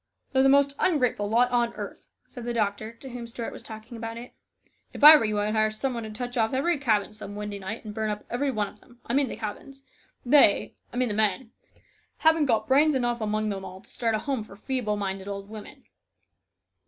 "They're the most ungrateful lot on earth," said the doctor, to whom Stuart was talking about it ;" if I were you, I'd hire some one to touch off every cabin some windy night and burn up every one of them I mean the cabins. They, I mean the men, haven't got brains enough among them all to start a home for feeble minded old women